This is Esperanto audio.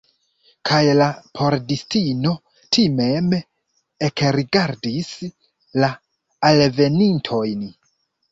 Kaj la pordistino timeme ekrigardis la alvenintojn.